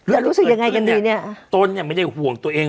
แล้วรู้สึกยังไงกันดีเนี่ยตนเนี่ยไม่ได้ห่วงตัวเอง